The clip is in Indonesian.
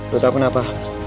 lo tau kenapa